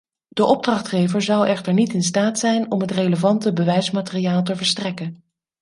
De opdrachtgever zou echter niet in staat zijn om het relevante bewijsmateriaal te verstrekken.